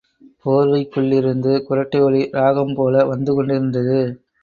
போர்வைக்குள்ளிருந்து குறட்டை ஒலி, ராகம் போல வந்து கொண்டிருந்தது.